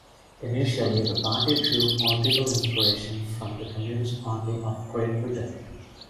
Initially the party drew political inspiration from the Communist Party of Great Britain.